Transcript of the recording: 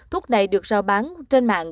thuốc này được rao bán trên mạng